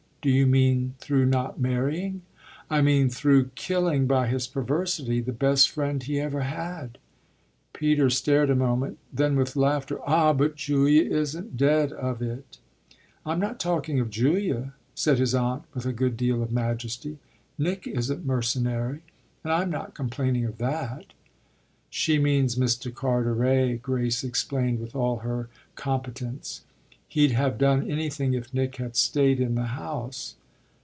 Do you mean through not marrying ?" "I mean through killing by his perversity the best friend he ever had." Peter stared a moment; then with laughter: "Ah but Julia isn't dead of it!" "I'm not talking of Julia," said his aunt with a good deal of majesty. "Nick isn't mercenary, and I'm not complaining of that." "She means Mr. Carteret," Grace explained with all her competence. "He'd have done anything if Nick had stayed in the House."